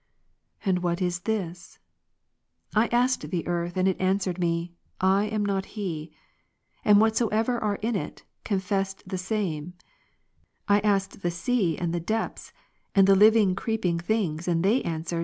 9. And what is this? I asked "^ the earth, and it answered me, " I am not He ;" and whatsoever are in it, confessed the same. I asked the sea and the deeps, and the living creeping things, and they answered, " We are not thy God, seek above us."